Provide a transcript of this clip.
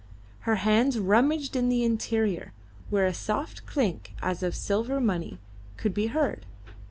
Her hands rummaged in the interior, where a soft clink as of silver money could be heard.